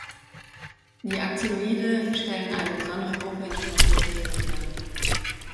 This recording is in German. Die Actinoide stellen eine besondere Gruppe innerhalb dieser Periode da.